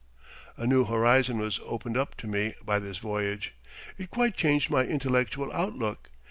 ] A new horizon was opened up to me by this voyage. It quite changed my intellectual outlook.